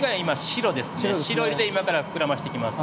白色で今から膨らましていきます。